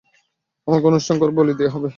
আমাকে অনুষ্ঠান করে বলি দেয়া হবে?